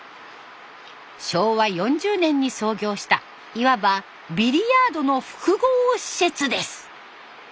昭和４０年に創業したいわばビリヤードの複合施設です。